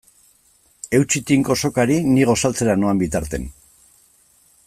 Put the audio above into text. Eutsi tinko sokari ni gosaltzera noan bitartean.